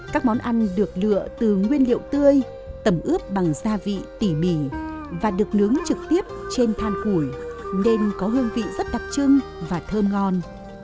các món ăn được lựa từ nguyên liệu tươi tẩm ướp bằng gia vị tỉ mỉ và được nướng trực tiếp trên than củi nên có hương vị rất đặc trưng và thơm ngon